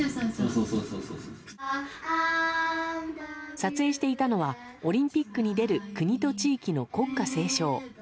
撮影していたのはオリンピックに出る国と地域の国歌斉唱。